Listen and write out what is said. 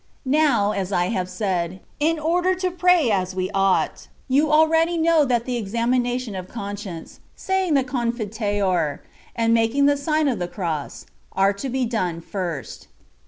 Now (as I have said), in order to pray as we ought, you already know that the exami nation of conscience, saying the Confiteor, and making the sign of the cross, are to be done first.